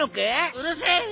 うるせえ！